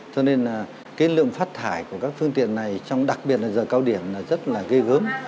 cho nên lượng phát thải của các phương tiện này đặc biệt trong giờ cao điểm rất gây gớm